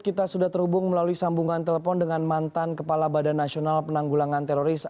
kita sudah terhubung melalui sambungan telepon dengan mantan kepala badan nasional penanggulangan teroris